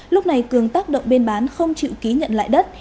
lúc này cường tác động bên bán không chịu ký nhận lại đất